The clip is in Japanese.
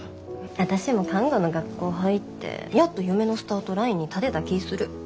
私も看護の学校入ってやっと夢のスタートラインに立てた気ぃする。